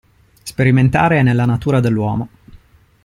Sperimentare è nella natura dell'uomo.